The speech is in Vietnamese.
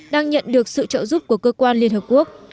đang nhận được sự trợ giúp của cơ quan liên hợp quốc